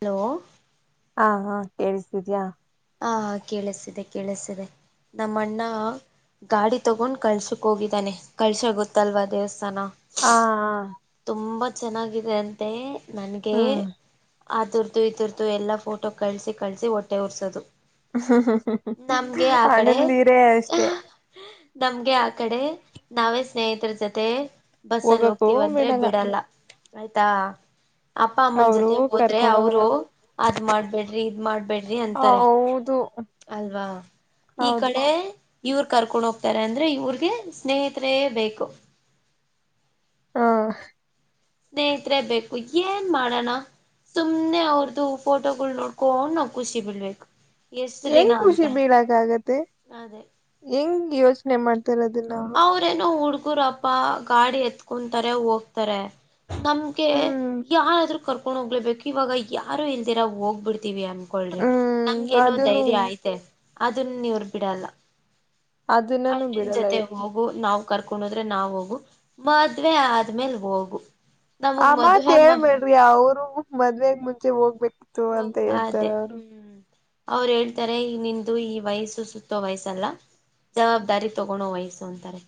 Hello ಹಾ ಹ ಕೇಳುಸ್ಥ ಇದಿಯಾ ಹಾ ಹ ಕೇಳಿಸಿದೆ ಕೇಳಿಸಿದೆ ನಮ್ಮಣ್ಣ ಗಾಡಿ ತಗೊಂಡ್ ಕಳ್ಸಕ್ ಹೋಗಿದ್ದಾನೆ ಕಳ್ಸ ಗೊತ್ತಲ್ವಾ ದೇವಸ್ಥಾನ ಹಾ ಹ ತುಂಬಾ ಚೆನ್ನಾಗಿದೆ ಅಂತೆ ನನಗೆ ಹ್ಮ್ ಆದುರ್ದು ಈ ತರ್ದು ಎಲ್ಲ ಫೋಟೋ ಕಳಿಸಿ ಕಳಿಸಿ ಹೊಟ್ಟೆ ಉರ್ಸೋದು ಹ ನಮ್ಗೆ ಆ ಕಡೆ ಆನಂದ ಹಿರೆೇ ಅಷ್ಟತೆ ನಮ್ಗೆ ಆ ಕಡೆ ನಾವೇ ಸ್ನೇಹಿತರ ಜೊತೆ ಬಸ್ ಅಲಿ ಹೋಗ್ತೀವಂತ ಅಂದ್ರೆ ಬಿಡಲ್ಲ ಆಯ್ತಾ ಅಪ್ಪ ಅಮ್ಮನ ಅವರು ಜೊತೆ ಹೋದ್ರೆ ಕರ್ಕೊಂಡ ಹೋಗಲ್ಲ ಅವರು ಅದ್ ಮಾಡ್ಬೇಡ್ರಿ ಇದ್ ಮಾಡ್ಬೇಡ್ರಿ ಅಂತಾರೆ ಹೌದು ಅಲ್ವಾ ಈ ಹೌದು ಕಡೆ ಇವ್ರು ಕರ್ಕೊಂಡ್ ಹೋಗ್ತಾರೆ ಅಂದ್ರೆ ಇವ್ರಿಗೆ ಸ್ನೇಹಿತರೇ ಬೇಕು ಹಾ ಸ್ನೇಹತ್ರೆ ಬೇಕು ಏನ್ ಮಾಡಣ ಸುನೆ ಅವ್ರ್ದು ಫೋಟೋಗಳು ನೋಡ್ಕೋ ನಾವ್ ಖುಷಿ ಬಿಡ್ಬೇಕ ಹೆಂಗ್ ಖುಷಿ ಬೀಳಕ ಆಗತ್ತೆ ಅದೇ ಹೆಂಗ ಯೋಚನೆ ಮಾಡ್ತ ಅವ್ರೇನೋ ಹುಡ್ಗುರಪ್ಪಾ ಗಾಡಿ ಎತ್ಕೊಂತಾರೆ ಹೋಗ್ತಾರೆ ನಮ್ಗೆ ಹ್ಮ್ ಯಾರಾದ್ರರು ಕರ್ಕೊಂಡ್ ಹೋಗ್ಲೇಬೇಕು ಇವಾಗ ಯಾರು ಇಲ್ದಿರಾ ಹೋಗ್ಬಿಡ್ ಅಂತೀವಿ ಅನ್ಕಳ್ರಿ ಹ್ಮ್ ನಮ್ಗ ಏನೋ ಅದನು ಧೈರ್ಯ ಆಯ್ತೆ ಅದನ್ ನೀವರ್ ಬಿಡಲ್ಲ ಅದನ್ನಾನೂ ಬಿಡಲ್ಲ ಮತ್ತೆ ಹೋಗು ನಾವ್ ಕರ್ಕೊಂಡ ಹೋದ್ರೆ ನಾವ್ ಹೋಗು ಮದ್ವೆ ಆದ್ಮೇಲ್ ಹೋಗು ಆ ನಮಗ್ ಮದುವೆ ಮತ್ೇಳ್ಬೇಡ್ರಿ ಅವರು ಮದ್ಾಗ ಮುಂಚೆ ಹೋಗ್ಬೇಕು ಅಂತ ಹೇಳ್ತಾರ ಅದೇ ಅವರು ಹ್ಮ್ ಅವ್ರು ಹೇಳ್ತಾರೆ ನಿಂದು ಈ ವಯಸ್ಸು ಸುತ್ತೋ ವಯಸ್ಸಲ್ಲ ಜವಾಬ್ದಾರಿ ತಗೊಂಡೋ ವಯಸ್ಸು ಅಂತಾರೆ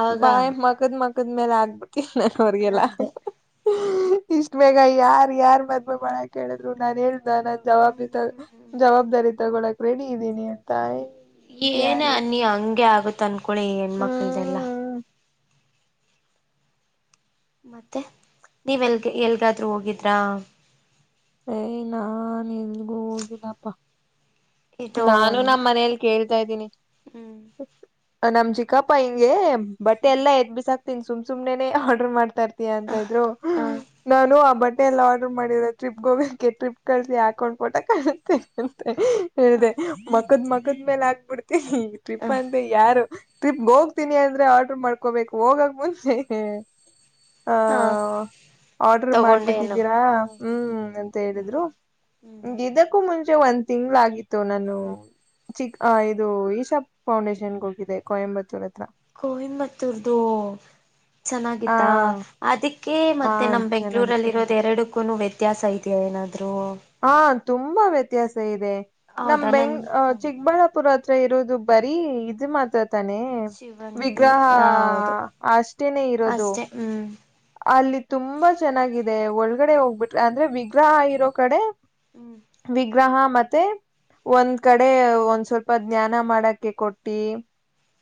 ಅವಾಗ ಬಾಯ್ ಮಕದ್ ಮಕದ್ ಮೇಲೆ ಆಗ್ಬಿಟ್ಟಿಲ್ಲ ನನ್ ಅವ್ರಗೆಲ್ಲ ಅದೇ ಇಷ್ಟ ಮೇಗ ಯಾರ್ ಯಾರ್ ಮದ್ೆ ಮಾಡಳ ಕೇಳಿದ್ರು ನಾನ್ ಹೇಳ ನಾನ್ ಜವಾಬ್ದಿ ತ ಹ್ಮ್ ಜವಾಬ್ದಾರಿ ತಗೊಳಕ್ ರೆಡಿ ಇದ್ದೀನಿ ಅಂತ ಇವ್ರ ಏನ ಯಾರ್ ಇವ್ರು ಅನ್ನಿ ಹಂಗೆ ಆಗತ್ ಅನ್ಕೊಳಿ ಹೆಣ್ಮಕ್ಳದೆಲ್ಲಾ ಹ್ಮ್ ಮತ್ತೆ ನೀವೆಲ್ಗೆ ಎಲ್ಗಾದ್ೂ ಹೋಗಿದ್ರಾ ಏಯ ನಾ ಎಲ್ಗೂ ಹೋಗಿಲ್ಲಪ್ಪಾ ಇದು ನಾನು ನಮ್ಮ ಮನೇೆಯಲ್ಲಿ ಕೇಳ್ತಾ ಇದ್ದೀನಿ ಹ್ಮ್ ನಮ್ ಚಿಕಪ್ಪ ಹಿಂಗೆ ಬಟ್ೆ ಹ್ಮ್ ಎಲ್ಲ ಎದ್ ಬಿಸಾಕ್ತೀನಿ ಸುಮ್ ಸು್ನೆ ಆರ್ಡ್ರರ್ ಮಾಡ್ತಾರ್ ಅಂತ ಇದ್ರು ಹ ಹ ನಾನು ಆ ಬಟ್ಟೆ ಎಲ್ಲ ಆರ್ಡರ್ ಮಾಡಿರ ಟ್ರಿಪ್ಗೆ ಹೋಗ್ೆ ಟ್ರಿಪ್ ಕಳಸ ಹಾಕೊಂಡ್ ಪೋಟ ಕಾಣುತ್ತೇ ಅಂತ ಹೇಳಿದೆ ಮ ಮಕ್ಕದ್ ಮಕದ ಮೇಲೆ ಆಗ್ಬಿಡ್ತಿ ಈಗ ಹ ಟ್ರಿಪ್ ಅಂತ ಯಾರು ಟ್ರಿಪ್ಗೆ ಹೋಗ್ತೀನಿ ಅಂದ್ರೆ ಆರ್ಡ್ರ ಮಾಡ್ಕೋಬೇಕು ಹೋಗಕ್ ಮುಂಚೆ ಹ ಆರ್ಡರ್ ತಗೊಂಡೇನು ಮಾಡ್ಬಿಟ್ಟಿದ್ದೀರಾ ಹ ಹಾ ಹ್ಮ್ ಅಂತ ಹ್ಮ್ ಹೇಳಿದ್ರು ಹ ಹ್ಮ್ ಇದಕ್ಕೂ ಮುಂಚೆ ಒಂದ್ ತಿಂಗ್ಗಳ ಆಗಿತ್ತು ನಾನು ಚಿಕ್ ಆ ಇದು ಈಶಾಬ್ ಫೌಂಡೇಶನ್ಗೆ ಹೋಗಿದೆ ಕೊಯಂಬತ್ತೂರ್ ಹತ್ರ ಕಯಂಬತ್ತೂರ್ದು ಆ ಚೆನ್ನಾಗಿತ್ತಾ ಅದಕ್ಕೆ ಹಾ ಮತ್ತೆ ನಮ ಚೆನ್ನಾಗಿ ಬೆಂಗ್ಳೂರಲ್ಲಿ ಇರೋದು ಎರಡು ವ್ಯತ್ಯಾಸ ಇದೆಯಾ ಏನಾದ್ೂ ಹಾ ತುಂಬಾ ವ್ಯತ್ಯಾಸ ಇದೆ ನಮ ನನ್ ಬೆಂಗ್ ಚಿಕ್ಕಬಳ್ಳಾಪುರ ತ್ರ ಇರೋದು ಬರೀ ಇದು ಮಾತಾ ತಾನೆ ಶಿವನ್ಗಿ ವಿಗ್ರಹ ಹ ಹೌದು ಅಷ್ಟೇನೆ ಇರೋದು ಅಷ್ಟೆ ಹ್ಮ್ ಅಲ್ಲಿ ತುಂಬಾ ಚೆನ್ನಾಗಿದೆ ಒಳಗಡೆ ಹೋಗ್ಬಿಟ್ರ ಅಂದ್ರೆ ವಿಗ್ರಹ ಇರೋ ಕಡೆ ಹ್ಮ್ ಗ್ರಹ ಮತ್ತೆ ಒಂದ್ ಕಡೆ ಒಂದ್ ಸ್ವಲ್ಪ ಜ್ಞಾನ ಮಾಡಕ್ಕೆ ಕೊಟ್ಟಿ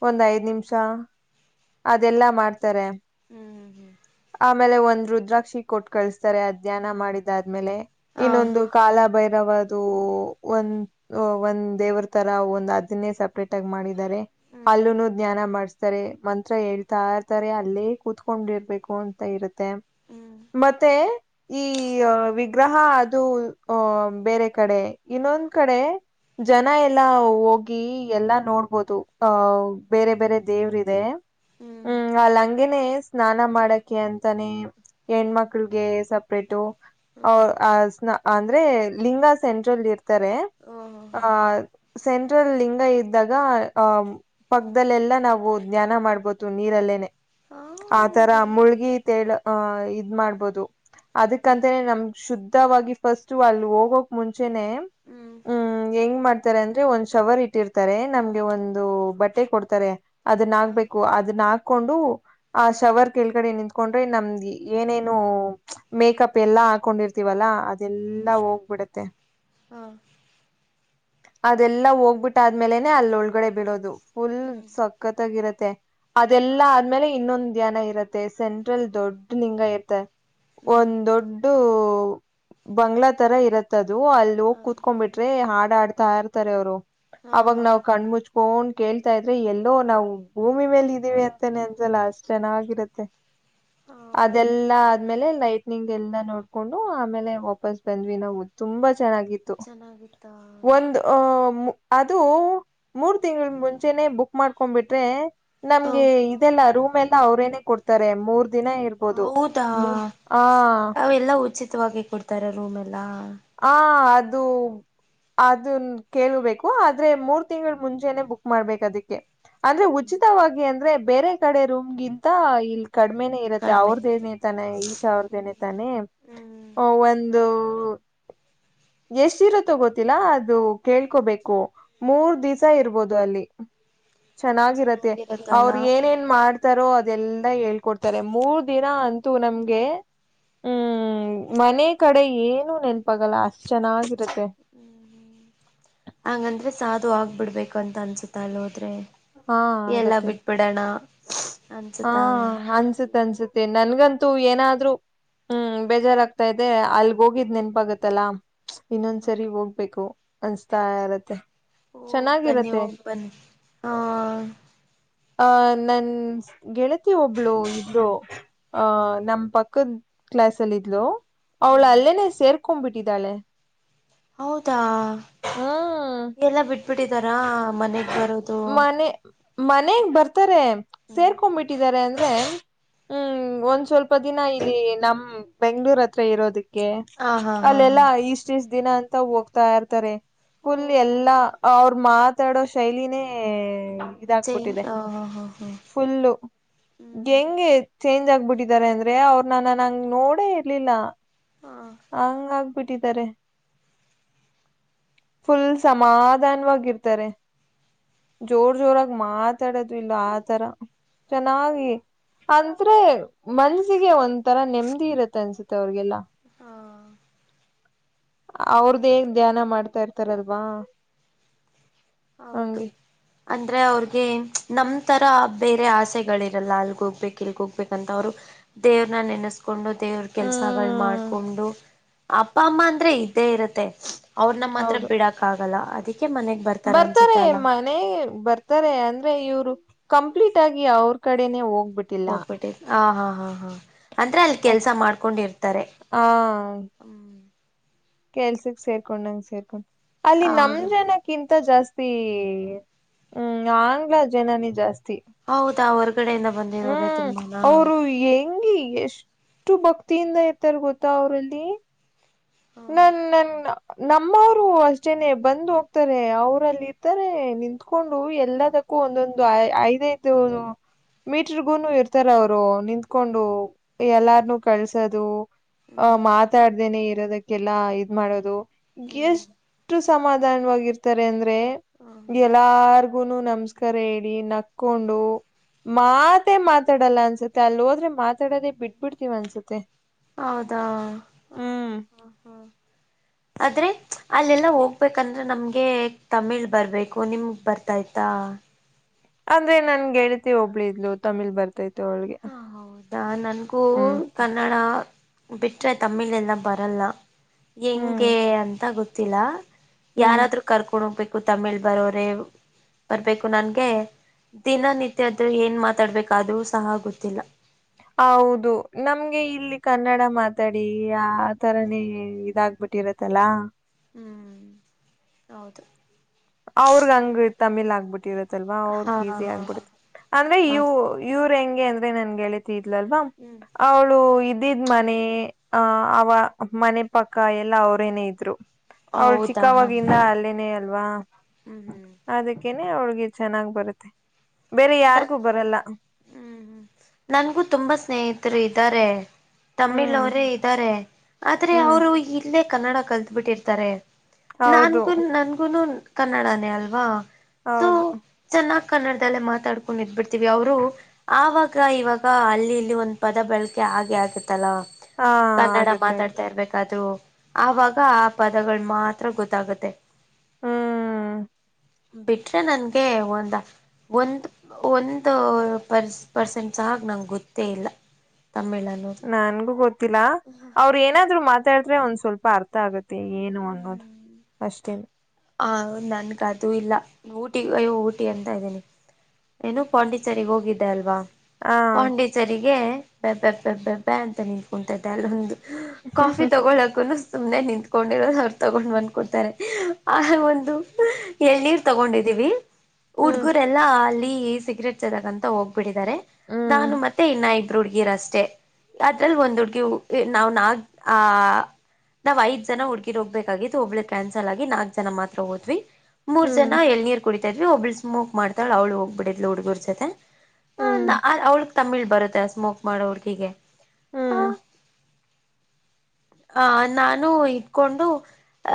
ಒಂದ್ ಐದ್ ನಿಮಿಷ ಅದೆಲ್ಲಾ ಮಾಡ್ತಾರೆ ಹ್ಮ್ ಹ್ಮ್ ಆಮೇಲೆ ಒಂದ್ ರುದ್ರಾಕ್ಷಿ ಕೊಟ್ಟ ಕಳಿಸತಾರೆ ಅಧ್ಯಾನ ಮಾಡಿದಾದ್ಮೇಲೆ ಹಾ ಇನ್ನೊಂದು ಕಾಲ ಬೈ ಒ ಒಂದ್ ದೇವರ ತರ ಒಂದ್ ಅದನ್ನೇ ಸಪ್ರೇಟ್ ಆಗಿ ಮಾಡಿದ ಹ್ಮ್ ಅಲ್ಲುನು ಜ್ಞಾನ ಮಾಡಿಸತಾರೆ ಮ ಹತ್ರ ಹೇಳ್ತಾ ಇರ್ತಾರೆ ಅಲ್ಲೇ ಕೂತ್ಕೊಂಡಿರ್ಬೇಕು ಅಂತ ಇರುತ್ತೆ ಹ್ಮ್ ಮತ್ತೆ ಈ ಗ್ರಹ ಅದು ಅಹ ಬೇರೆ ಕಡೆ ಇನ್ನೊಂದ್ ಕಡೆ ಜನ ಎಲ್ಲಾ ಹೋಗಿ ಎಲ್ಲಾ ನೋಡ್ಬೋದು ಅಹ ಬೇರೆ ಬೇರೆ ದೇವ್ರ ಇದೆ ಹ್ಮ್ ಅಲ್ಲಂ ಹಾಗೇನೆ ಸ್ನಾನ ಮಾಡಕ ಅಂತಾನೆ ಹೆಣ್ಮಕ್ಳಗೆ ಸಪ್ರೇಟು ಅ ಹ್ಮ್ ಅಂದ್ರೆ ಲಿಂಗ ಸೆಂಟ್ರಲ್ ಇರ್ತ ಓ ಹೋ ಆ ಸೆಂಟ್ರಲ್ ಲಿಂಗ ಇದ್ದಾಗ ಪಕ್ಕದಲ್ಲೆಲ್ಲಾ ನಾವು ಜ್ಞಾನ ಮಾಡ್ಬ ನೀರಲ್ಲೇನೆ ಹೋ ಆತರ ಹೋ ಮುಳ್ಗಿ ತೇಳ ಅಹ ಇದ್ ಮಾಡ್ಬೋದು ಅದಕಂತೆ ನಮ್ ಶುದ್ಧವಾಗಿ ಫಸ್ಟ್ು ಅಲ್ಲಿ ಹೋಗೋಕ್ ಮುಂಚ ಮುಂಚೆ ಹ್ಮ್ ಹೆಂಗ್ ಮಾಡ್ತಾರೆ ಅಂದ್ರೆ ಒಂದ್ ಶವರ್ ಇಟ್ಟಿರ್ತಾರೆ ನಮ್ಗೆ ಹ್ಮ್ ಒಂದು ಬಟ್ಟೆ ಕೊಡ್ತಾರೆ ಅದನ್ನ ಹಾ ಆಗ್ಬೇಕ ಹಾಕೊಂಡು ಆ ಶವರ್ ಕೆಳಗಡೆ ನಿಂತ್ಕೊಂಡ್ರೆ ನಮ್ದ ಏನೇನು ಮೇಕಪ್ ಪ್ಪ ಎಲ್ಲಾ ಹಾಕೊಂಡಿರ್ತೀವಲ್ಲಾ ಅದೆಲ್ಲಾ ಹೋಗ್ಬಿಡತ್ತೆ ಹಾ ಹಾ ಅದೆಲ್ಲಾ ಹಾ ಹೋಗ್ಬಿಟ್ಟ ಆದ್ಮೇಲೆನೆ ಅಲ್ಲೊಳ್ಗ ಒಗಡೆ ಬೀಳೋದು ಫುಲ್ ಹ್ಮ್ ಸಕ್ಕತ್ತಾಗಿ ಇರತ್ತೆ ಹಾ ಅದೆಲ್ಲಾ ಆದ್ಮೇಲೆ ಇನ್ನೊಂದು ಮಧ್ಯಾನ ಇರುತ್ತೆ ಸೆಂಟ್ರಲ್ ದೊಡ್ಡ ನಿಂಗ ಇರ್ತ ಹ್ಮ್ ಒಂದ್ ದೊಡ್ಡ ಬಂಗ್ಲಾ ತರ ಇರತ್ತದು ಅಲ್ಲಿ ಹಾ ಹೋಗಿ ಕುೂತ್ಕೊಂಡ್ ಬಿಿಟ್ರೆ ಹಾಡ ಆಡ್ತಾ ಇರ್ತಾರೆ ಅವರು ಹಾ ಅವಾಗ ಹಾ ನಾವ್ ಕಣ ಮುಚ್ಕೊಂಡ್ ಕೇಳ್ತಾ ಇದ್ರೆ ಎಲ್ಲೋ ನಾವು ಭೂಮ ಮ್ಮಿ ಮೇಲೆ ಇದ್ದೀವಿ ಅಂತ ನೆನ್ಸಲ್ಲ ಅಷ್ಟ ಚೆನ್ನಾಗಿರುತ್ತೆ ಹೌದಾ ಅದೆಲ್ಲಾ ಆದ್ಮೇಲೆ ಲೈಟ್ನಿಂಗ್ ಎಲ್ಲ ನೋಡ್ಕೊಂಡು ಆಮೇಲೆ ವಾಪಸ್ ಬಂದ್ವಿ ನಾವು ತುಂಬಾ ಚೆನ್ನಾಗಿ ಚೆನ್ನಾಗಿತ್ತಾ ಒಂದು ಅದು ಮೂರ್ ತಿಂಗಗಳ ಮುಂಚೆನೆ ಬುಕ್ ಮಾಡ್ಕೊ್ಬಿಟ್ರೆ ಹ ನಮ್ಗೆ ಇದೆಲ್ಲಾ ರೂಮ್ ಎಲ್ಲ ಅವ್ರೇನೆೇ ಕೊಡ್ತಾರೆ ಮೂರ್ ದಿನ ಇರ್ಬೋದು ಹೌದಾ ಆ ಅವೆಲ್ಲಾ ಉಚಿತವಾಗಿ ಕೊಡ್ತಾರ ರೂಮ್ ಎಲ್ಲಾ ಹಾ ಅದು ಅದನ್ ಕೇಳ್ಬೇಕು ಆದ್ರೆ ಮೂರ್ ತಿಂಗಳು ಮುಂಚೆನೆ ಬುಕ್ ಮಾಡ್ಬೇಕ ಅದಕ್ಕೆ ಅಂದ್ರೆ ಉಚಿತವಾಗಿ ಅಂದ್ರೆ ಬೇರೆ ಕಡೆ ರೂಮ್ಗಿಂತ ಇಲ್ ಕಡಿಮೆನೇ ಇರುತ್ತೆ ಕಡಿಮೆ ಇರುತ್ತೆ ಅವ್ರದೇನೇ ತಾನೆ ಈಶಾ ಅವ್ರದ ನೇ ತಾನೆ ಹ್ಮ್ ಒಂದು [inaudible] ಎಷ್ಟ ಇರುತ್ತೋ ಗೊತ್ತಿಲ್ಲ ಅದು ಕೇಳ್ಕೋಬೇಕು ಮೂರ್ ದಿವಸ ಇರ್ಬೋದು ಅಲ್ಲಿ ಚೆನ್ನಾಗಿರತ್ತೆ ಚೆನ್ನಾಗಿರತ್ತಲ್ಲ ಅವ್ರ ಏನೇನ್ ಮಾಡ್ತ ತಾರೋ ಅದೆಲ್ಲ ಹೇಳ್ಕೊಡ್ತಾರೆ ಮೂರ್ ದಿನ ಅಂತೂ ನಮ್ಗೆ ಹ್ಮ್ ಮನೆ ಕಡೆ ಏನು ನೆನಪಾಗಲ್ಲ ಅಷ್ಟ್ ಚೆನ್ನಾಗಿ ಹ್ಮ್ ಹಂಗಂದ್ರೆ ಸಾಧು ಆಗ್ಬಿಡ್ಬೇಕುಂತ ಅನ್ಸುತ್ತ ಅಲ್ಲ ಹೋದ್ರೆ ಹಾ ಎಲ್ಲ ಆಗತ್ತೆ ಬಿಟ್ ಬಿಿಡೋಣ ಹಾ ಅನ್ಸತ್ ಅನ್ಸತ್ತ ನನ್ಗಂತ ಏನಾದ್ರು ಹ್ಮ್ ಬೇಜಾರಾಗ್ತಾ ಇದೆ ಅಲ್ ಹೋಗಿದ್ ನೆನ್ಪಾಗತ್ತಲ್ಲಾ ಇನ್ನೊಂದ್ಸರಿ ಹೋಗ್ಬೇಕು ಅನ್ಸ್ತಾ ಇರತ್ತೆ ಹಓ ಬನ್ನಿ ಚೆನ್ನಾಗಿರತ್ತೆ ಹೋಗ್ ಬನ್ನಿ ಹಾ ಅಹ ನನ್ ಗೆಳತಿ ಒಬ್ಳು ಇದರು ಹ್ಮ್ ಅಹ ನಮ ಪಕ್ಕ ಕ್ಲಾಸ್ ಅಲ್ಲ ಇದ್ಲು ಅವಳ ಹ ಅಲ್ಲೇನೆ ಸೇರ್ಕೊಂಡ್ಬಿಟ್ಟಿದ್ದಾಳೆ ಹೌದಾ ಹ್ಮ್ ಎಲ್ಲ ಬಿಟ್ಟು ಬಿಿಟ್ಟಿದಾರಾ ಮನೆಗ್ ಬರೋದು ಮನಗ್ ಬರ್ತಾರೆ ಹ್ಮ್ ಸೇರ್ಕೊಂಡ್ಬಿಟ್ಟಿದಿದ್ದಾರೆ ಅಂದ ಅ್ರೆ ಹ್ಮ್ ಒಂದ್ ಸ್ವಲ್ಪ ದಿನ ಇಲ್ಲಿ ನಮ್ ಬೆಂಗ್ಳೂರ್ ಹತ್ರ ಇರೋದಕ್ಕೆ ಹ ಹಾ ಹಾ ಹಾ ಅಲ್ಲೆಲ್ಲಾ ಇಷ್ಟ ಇಷ್ಟ ದಿನ ಅಂತ ಹೋಗ್ತಾ ಇರ್ತಾರೆ ಓ ಫುಲ್ ಎಲ್ಲಾ ಅವ್ರ ಮಾತಾಡೋ ಶೈಲಿನೇ ಚೈನ್ ಇದಾಕ್ಬಿಟ್ಟಿದೆ ಹ ಹ ಹ ಹ ಫುಲ್ಲು ಹ್ಮ್ ಹೆಂಗೆ ಚೇಂಜ್ ಆಗ್ಬಿಟ್ಟಿದ್ದಾರೆ ಅಂದ್ರೆ ಅವ್ರನ್ನ ನನ್ ಹಂಗ ನೋಡೇ ಇರ್ಲಿಲ್ಲ ಹಾ ಹಂಗ ಬಿಟ್ಟಿದ್ದಾರೆ ಫುಲ್ ಸಮಾಧಾನವಾಗಿ ಹಿರ್ತಾರೆ ಜೋರ್ ಜೋರಾಗಿ ಮಾತಾಡದು್ ಇಲ್ಲ ಆತರ ಚೆನ್ನಾಗಿ ಅಂದ್ರೆ ಮನ್ಸಿಗೆ ಒಂದ ತರ ನೆಮ್ಮದಿ ಇರತ್ತೆ ಅನ್ಸುತ್ತೆ ಅವ್ರಿಗೆಲ್ಲ ಅವ್ರದೇನ್ ಧ್ಯಾನ ಮಾಡ್ತಾ ಇರ್ತಾರಲ್ವಾ ಹೌದು ಹಂಗೆ ಅಂದರೆ ಅವ್ರಿಗೆ ನಮ್ಮ ಥರ ಬೇರೆ ಆಸೆಗಳಿರಲ್ಲ ಅಲ್ಲಿಗೆೋಗ್ಬೇಕು ಇಲ್ಗೋಗ್ಬೇಕಂತ ಅವರು ದೇವ್ರನ್ನ ನೆನೆಸ್ಕೊಂಡು ದೇವ್ರ ಕೆಲ್ಸಾಗ ಹ್ಮ್ ಮಾಡ್ಕೊಂಡು ಅಪ್ಪ ಅಮ್ಮ ಅಂದ್ರೆ ಇದ್ದೇ ಇರುತ್ತೆ ಅವ್ರ ನಮ್ಮ ಮಾತ್ರ ಹೌದು ಬಿಡಕ್ ಆಗಲ್ಲ ಅದಕ್ಕೆ ಮನೆಗ್ ಬರ್ತ ಬರ್ತಾರೆ ಮನೆ ಬರ್ತಾರೆ ಅಂದ್ರೆ ಇವ್ರು ಕಂಪ್ಲೀಟ್ ಆಗಿ ಅವ್ರ ಕಡೆನೆ ಹೋಗ್ ಹೋಗ್ಬಿಟ್ಟೆ ಹ ಹಾ ಹಾ ಹಾ ಅಂದ್ರೆ ಅಲ್ಲಿ ಕೆಲ್ಸ ಮಾಡ್ಕೊಂಡಿರ್ತಾರೆ ಆ ಹ್ಮ್ ಕೆಲ್ಸಕ್ ಸೇರ್ಕೊಂಡ್ ನಂಗ ಸೇರ್ಕೊಂಡ್ ಅಲ್ಲಿ ನಮ್ ಹೌದು ಜನಕ್ಕಿಂತ ಜಾಸ್ತಿ ಹ್ಮ್ ಆಂಗ್ಲ ಜನನೇ ಜಾಸ್ತಿ ಹೌದಾ ಹೊರ್ಗಡೆಯಿಂದ ಬಂದಿರೋರೆ ಹ್ಮ್ ತುಂಬಾನ ಅವರು ಹೆಂಗಿ ಎಷ್ಟು ಭಕ್ತಿಯಿಂದ ಇರ್ತಾರ ಗೊತ್ತಾ ಅವ್ರಲ್ಲಿ ಹ್ಮ ನಮ್ಮವರು ಅಷ್ಟೇನೆ ಬಂದು್ ಹೋಗ್ತಾರೆ ಅವ್ರಲ್ಲಿ ಇರ್ತಾರೆ ನಿತ್ಕೊಂಡು ಎಲ್ಲದಕ್ ಕ್ಕು ಒಂದೊಂದು ಐದ ಐದೋರ್ ಮೀಟರ್ಗೂನು ಇರ್ತಾರ ಅವರು ನಿಂತ್ಕೊಂಡು ಎಲ್ಲಾರ್ನುೂ ಕಳ್ಸೋದು ಹ್ಮ್ ಆಹ ಮಾತಾಡ್ದೇನೆ ಇರೋದಕ್ಕೆಲ್ಲಾ ಇದ್ ಮಾಡೋದು ಹ್ಮ್ ಎಷ್ಟು ಸಮಾಧಾನವಾಗಿರ್ತಾರೆ ಅಂದ್ರೆ ಹ್ಮ ಎಲ್ಲಾರ್ ಗುನು ನಮಸ್ಕಾರ ಹೇಳಿ ನಕ್ಕೊಂಡು ಮಾತೆ ಮಾತಾಡಲ್ಲ ಅನ್ಸತ್ತೆ ಅಲ್ಲಿ ಹೋದ್ ಮೇಲೆ ಮಾತಾಡದೆೇ ಬಿಟ್ ಬಿಡ್ತೀವ ಅನ್ಸತ್ತೆ ಹೌದಾ ಹ ಹ್ಮ್ ಹ ಆದ್ರೆ ಅಲ್ಲೆಲ್ಲಾ ಹೋಗ್ಬೇಕಂದ್ರೆ ನಮ್ಗೆ ತಮಿಳ್ ಬರ್ಬೇಕು ನಿಮಗ್ ಬರ್ತಾ ಇತ್ತಾ ಅಂದ್ರೆ ನನ್ ಗೆಳತಿ ಒಬ್ಳಿದ್ಲು ತಮಿಳ್ ಬರ್ ಹಾ ನನ್ಗೂ ಹ್ಮ್ ಕನ್ನಡ ಬಿಟ್ರೆ ತಮಿಳ್ ಎಲ್ಲ ಬರಲ್ಲ ಹ್ಮ್ ಹೆಂಗೆ ಅಂತ ಗೊತ್ತಿಲ್ಲ ಹ್ಮ್ ಯಾರಾದ್ರೂ ಕರ್ಕೊಂಡ ಹೋಗ್ಬೇಕು ತಮಿಳ್ ಬರೋರೆೇ ಬೇಕು ನನ್ಗೆ ದಿನನಿತ್ಯ ಆದೂ ಏನ್ ಮಾತಾಡ್ಬೇಕ ಅದು ಸಹ ಗೊತ್ತ್ ಇತ್ತಲ್ಲ [inaudible] ಹೌದು ನಮ್ಗೆ ಇಲ್ಲಿ ಕನ್ನಡ ಮಾತಾಡಿ ಆ ತರನೇ ಇದಾಗಬಿಟ್ಟು ಬಿಟ್ಟಿರತ್ತಲ್ಲಾ ಹ್ಞ ಹೌದು ಅವ್ರಗ್ ಹಂಗ ತಮಿಲಳ್ ಆಗ್ಬಿಟ್ಟಿರತ್ತೆ ಲ್ವಾ ಹಾ ಅವ್ರಗ್ ಹಾ ಈಸಿ ಆಗ್ಬಿಡುತ್ತೆ ಅಂದ್ರೆ ಇ ಹೌದು ಇವ್ರ ಹೆಂಗೆ ಅಂದ್ರೆ ನನ್ಗೆ ಹೇಳಿದ್ ಇದಲಲ್ವಾ ಹ್ಮ್ ಅವಳು ಇದ ಇದಿದ್ ಮನೆ ಅಹ ಅವ ಮನೆ ಪಕ್ಕ ಎಲ್ಲಾ ಅವ್ರೇನೇ ಇದ್ರು ಅವ್ಳು ಹೌದಾ ಹಾ ಚಿಕ್ಕವಾಗಿಂದ ಅಲ್ಲೇನೇ ಅಲ್ವಾ ಹ್ಮ್ ಹ್ಮ್ ಅದಕ್ಕೇನ್ ಅವ್ಳಿಗೆ ಚೆನ್ನಾಗ್ ಬರುತ್ತೆ ಬೇರೆ ಯಾರ್ಗೂ ಬರಲ್ಲ ಹ್ಮ್ ಹ್ಮ್ ನನ್ಗೂ ತುಂಬಾ ಸ್ನೇಹಿತರು ಇದ್ದಾರೆ ತಮಿಳ್ ಹ್ಮ್ ಅವರೇ ಇದ್ದಾರೆ ಆದ್ರೆ ಹ್ಮ್ ಅವರು ಇಲ್ಲೇ ಕನ್ನಡ ಕಲ್ತ್ ಬಿಿಟ್ಟಿರ್ತಾರೆ ಹೌದು ನನ್ಗು ನನ್ಗುನು ಕನ್ನಡನೇ ಅಲ್ವಾ ಹಾ ಸೊ ಚೆನ್ನಾಗ್ ಕನ್ನಡದಲ್ಲೇ ಮಾತಾಡ್ಕೊಂಡು ಇದ್ಬಿಡ್ತೀವಿ ಅವರು ಆಾಗ ಅವಾಗ ಇವಾಗ ಅಲ್ಲಿ ಇಲ್ಲಿ ಒಂದ್ ಪದ ಬಳಕೆ ಆಗೆ ಆಗುತ್ತೆ ಲ್ಲ ಹಾ ಕನ್ನಡ ಆಗತ್ತೆ ಆಗತ್ತೆ ಮಾತಾಡ್ತಾ ಇರ್ಬೇಕಾದ್ರೂ ಆವಾಗ ಆ ಪದಗಳು ಮಾತ್ರ ಗೊತ್ತಾಗುತ್ತೆ ಹ್ಮ್ ಬಿಟ್ರೆ ನನ್ಗೆ ಒಂದ ಒಂದು ಒಂದು ಪರ್ಸ್ ಪರ್ಸೆಂಟ್ ಸಹಾಗಿೆ ನಂಗೆ ಗೊತ್ತೇ ಇಲ್ಲ ತಮಿಳ್ ಅನ್ನೋದು ನನ್ಗೂ ಗೊತ್ತಿಲ್ಲ ಅವ್ರ ಏನಾದ್ರು ಮಾತಾಡ್ತ ೆ ಒಂದ್ ಸ್ವಲ್ಪ ಅರ್ಥ ಆಗತ್ತೆ ಏನು ಅನ್ನೋದು ಅಷ್ಟೇ ಹ ನನ್ಗ ಅದು ಇಲ್ಲ ಊಟಿ ಅಯ್ಯೋ ಊಟಿ ಅಂತ ಇದ್ದೀನಿ ಏನೋ ಪಾಂಡಿಚರಿಗೆ ಹೋಗಿದ್ದೆ ಅಲ್ವಾ ಹಾ ಪಂಡಿತರಿಗೆ ಬೆ ಬೆ ಬೆ ಬೆಬ ಅಂತ ನಿಂತ್ಕೊತ್ದ ಅಲ್ಲೊಂದು ಕಾಫಿ ತಗೊಳಕು ಸುಮ್ಮನೆ ನಿಂತ್ಕೊಂಡಿರದು ಅವ್ರರು ತಗೊಂಡ್ ಬಂದಕೊಡ್ತಾರೆ ಆ ಒಂದು ಎಳ್ನೀರ್ ತಗೊಂಡಿದ್ದೀವಿ ಹ್ಮ್ ಹುಡ್ಗುರೆಲ್ಲಾ ಅಲ್ಲಿ ಸಿಗರೆೇಟ್ ಸೇದಕಂತ ಹೋಗ್ಬಿಟ್ಟಿದ್ದಾರೆ ಹ್ಮ್ ನಾನು ಮತ್ತೆ ಇನ್ನ ಹುಡ್ಗಿರಷ್ಟೆ ಅದ್ರಲ್ಲಿ ಒಂದ್ ಹುಡ್ಗಿ ನಾವ್ ನಾಗ ಆ ನಾವ್ ಐದ ಜನ ಹುಡ್ಗೀರ್ ಹೋಗ್ಬೇಕಾಗಿತ್ತು ಒಬ್ಬಳು ಕ್ಯಾನ್ಸಲ್ ಆಗಿ ನಾ ನಾಲ್ಕ್ ಜನ ಮಾತ್ರ ಹೋದ್ವಿ ಮೂರ್ ಹ್ಮ್ ಜನ ಎಳನೀರ್ ಕುಡಿ ಏನು ಒಬ್ಬಳು ಸ್ಮೋಕ್ ಮಾಡತಾಳ ಅವ್ಳು ಹೋಗ್ಬಿಡಿದ್ಲು ಹುಡುಗುರ್ ಜತೆ ಹ್ಮ್ ಅವ್ಳ ತಮಿಳ್ ಬರುತ್ತೆ ಸ್ಮೋಕ್ ಮಾಡೋ ಹುಡ್ಗಿಗೆ ಆ ಹ್ಮ್ ಆ ನಾನು ಇಟ್ಕೊಂಡು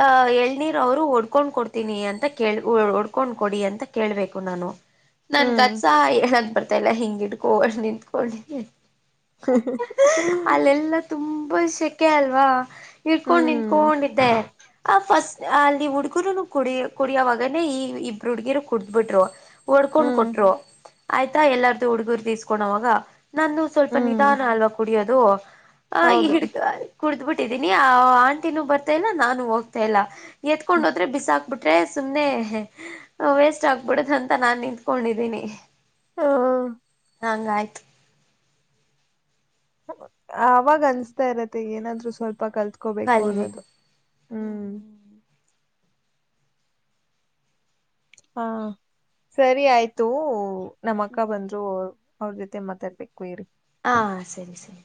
ಅಹ ಎಳ್ನೀರ್ ಅವ್ರು ಒಡ್ಕೊಂಡ್ ಕೊಡ್ತೀನಿ ಅಂತ ಕ ಒಡ್ಕೊಂಡ್ ಕೊಡಿ ಅಂತ ಕೇಳ್ಬೇಕು ನಾನು ಹ್ಮ್ ನನ್ಗಸಾ ಏನಂತ್ ಬರ್ತಲ್ಲಾ ಹಿಂಗಿಟ್ಕರ್ ನಿತ್ಕೊಂಡಿದ್ದಿ ಹ್ಮ ತುಂಬಾ ಸೆಕೆ ಅಲ್ವಾ ಇಡ್ಕೊಂಡು ಹ್ಮ್ ನಿಂಕೊಂಡಿದ್ದೆ ಆ ಫಸ್ಟ್ ಅಲ್ಲಿ ಹುಡು ಹುಡುಗುರುನು ಕುಡಿಯ ಕುಡಿಯವಾಗನೇ ಈ ಇಬ್ರು ಹುಡ್ಗಿರು ಕುಡ್ದ್ ಬಿಿಟ್ರು ಒಓಡ್ಕೊಂಡ್ ಹ್ಮ್ ಕೊಟ್ರು ಆಯ್ತಾ ಎಲ್ಲಾರ್ದು ಹುಡ್ಗುರ್ದ ಇಸ್ಕೊಂಡ ಅವಾಗ ನಂದುು ಸ್ವಲ್ಪ ಹ್ಮ್ ನಿಧಾನ ಅಲ್ವ ಕುಡಿಯೋದು ಹ ಹೌದು ಹಿಡ್ ಕುಡ್ದ್ಬಿಟ್ಟಿದೀನಿ ಆಂಟಿನೂ ಬರ್ತಾ ಇಲ್ಲ ನಾನು ಹೋಗ್ತಾ ಇಲ್ಲ ಎತ್ಕೊಂಡ್ ಹ್ಮ್. ಹೋದ್ರೆ ಬಿಸಾಕ್ಬಿಟ್ರೆ ಸು್ನೆ ವೇಸ್ಟ್ ಆಗ್ಬಿಡದ ಅಂತ ನಾನು ನಿಂತ್ಕೊಂಡಿದ್ದೀನಿ ಹಂಗ ಆಯ್ತು ಅವಾಗ ಅನ್ಿಸತಾ ಇರತ್ತೆ ಏನಾದ್ರು ಸ್ವಲ್ಪ ಪಪ ಕಲ್ತ್ಕೋಬೇಕು ಅನ್ನೋದು ಕಲಿಬೇಕು ಹ್ಮ್ ಹಾ ಸರಿ ಆಯ್ತು ನಮ್ಮ ಅಕ್ಕ ಬಂದ್ರು ಅವ್ರ ಜೊತೆ ಮಾತಾಡ್ಬೇಕು ಇ್ರ ಹಾ ಸರಿ ಸರಿ